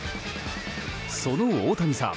その大谷さん